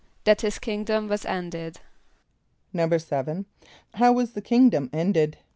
=That his kingdom was ended.= =7.= How was the kingdom ended?